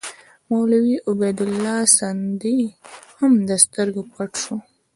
مولوي عبیدالله سندي هم له سترګو پټ شو.